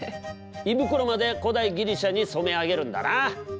胃袋まで古代ギリシャに染め上げるんだな。